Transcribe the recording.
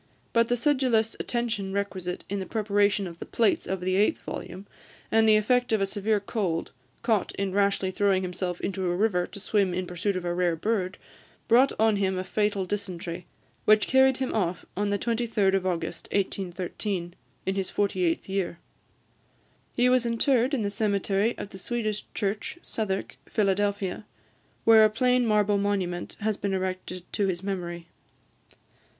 But the sedulous attention requisite in the preparation of the plates of the eighth volume, and the effect of a severe cold, caught in rashly throwing himself into a river to swim in pursuit of a rare bird, brought on him a fatal dysentery, which carried him off, on the 23d of August 1813, in his forty eighth year. He was interred in the cemetery of the Swedish church, Southwark, Philadelphia, where a plain marble monument has been erected to his memory.